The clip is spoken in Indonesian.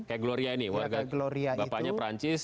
kayak gloria ini bapaknya prancis